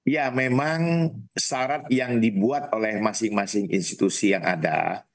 ya memang syarat yang dibuat oleh masing masing institusi yang ada